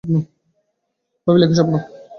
ভাবিল, এ কি স্বপ্ন।